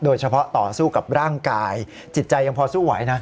โดยเฉพาะต่อสู้กับร่างกายจิตใจยังพอสู้ไหวนะ